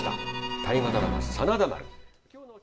大河ドラマ「真田丸」。